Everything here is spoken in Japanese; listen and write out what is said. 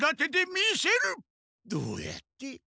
どうやって？